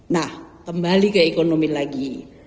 nah kembali ke ekonomi lagi